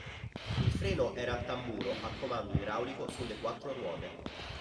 Il freno era a tamburo a comando idraulico sulle quattro ruote.